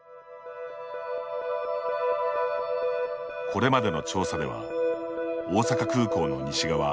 これまでの調査では大阪空港の西側